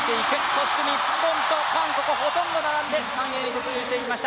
そして日本と韓国ほとんど並んで３泳に突入していきました。